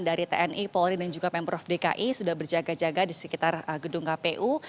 dari tni polri dan juga pemprov dki sudah berjaga jaga di sekitar gedung kpu